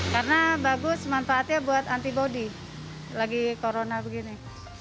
karena bagus manfaatnya buat antibody lagi corona begini